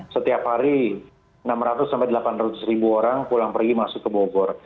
setiap hari enam ratus sampai delapan ratus ribu orang pulang pergi masuk ke bogor